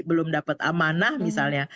belum dapat amanah misalnya